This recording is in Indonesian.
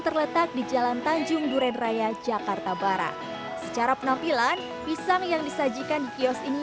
terletak di jalan tanjung duren raya jakarta barat secara penampilan pisang yang disajikan di kios ini